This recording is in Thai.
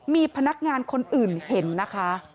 มีพนักงานคนอื่นเห็นนะคะ